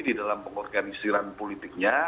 di dalam pengorganisiran politiknya